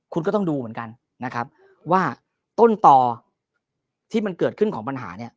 คุณก็ต้องดูเหมือนกันนะครับว่าต้นต่อที่มันเกิดขึ้นของปัญหาเนี่ย